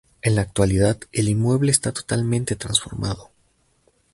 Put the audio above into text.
En la actualidad el inmueble está totalmente transformado.